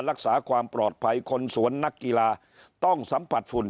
รักษาความปลอดภัยคนสวนนักกีฬาต้องสัมผัสฝุ่น